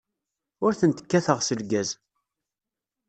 Ur tent-kkateɣ s lgaz.